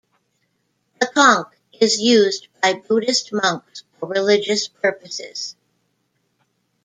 The conch is used by Buddhist monks for religious purposes.